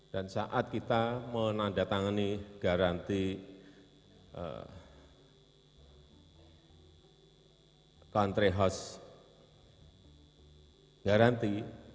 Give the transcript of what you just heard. dan saat kita menandatangani garanti country house garanti